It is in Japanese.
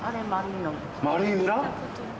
丸い村？